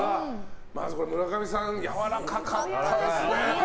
まず村上さんやわらかかったですね。